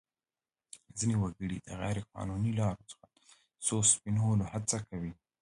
ځینې وګړي د غیر قانوني لارو څخه د پیسو سپینولو هڅه کوي.